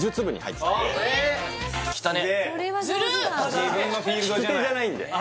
自分のフィールドじゃないあ